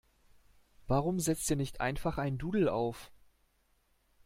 Warum setzt ihr nicht einfach ein Doodle auf?